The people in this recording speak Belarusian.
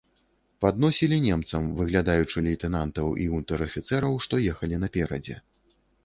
Падносілі немцам, выглядаючы лейтэнантаў і унтэр-афіцэраў, што ехалі наперадзе.